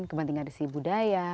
kepentingan dari sisi budaya